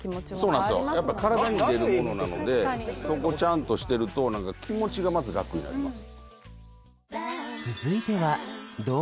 そうなんですよやっぱ体に入れるものなのでそこちゃんとしてると気持ちがまず楽になります